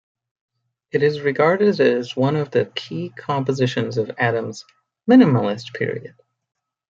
It is regarded as one of the key compositions of Adams' "minimalist" period.